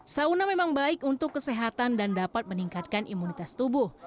sauna memang baik untuk kesehatan dan dapat meningkatkan imunitas tubuh